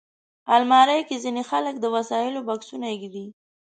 الماري کې ځینې خلک د وسایلو بکسونه ایږدي